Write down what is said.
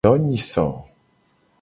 Donyiso.